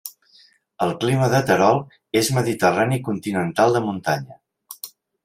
El clima de Terol és mediterrani continental de muntanya.